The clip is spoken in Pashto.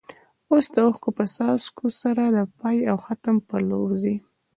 او د اوښکو په څاڅکو سره د پای او ختم په لور ځي.